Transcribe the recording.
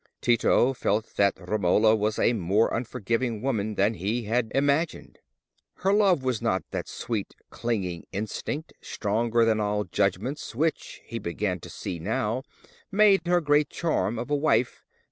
Tito felt that Romola was a more unforgiving woman than he had imagined; her love was not that sweet clinging instinct, stronger than all judgments, which, he began to see now, made the great charm of a wife.